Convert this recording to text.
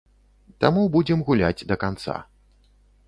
Таму будзем гуляць да канца.